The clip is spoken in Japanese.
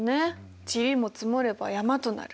「ちりも積もれば山となる」。